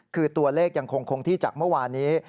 คือตัวเลขยังคงที่จากเมื่อวานี้